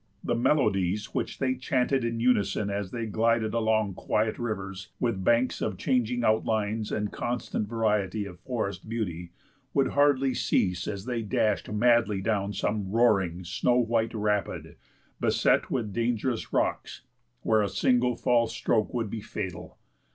The melodies which they chanted in unison as they glided along quiet rivers, with banks of changing outlines and constant variety of forest beauty, would hardly cease as they dashed madly down some roaring, snow white rapid, beset with dangerous rocks, where a single false stroke would be fatal.